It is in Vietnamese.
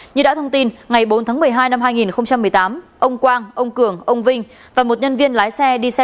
như đã thông tin ngày bốn tháng một mươi hai năm hai nghìn một mươi tám ông quang ông cường ông vinh và một nhân viên lái xe đi xe